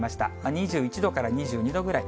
２１度から２２度ぐらい。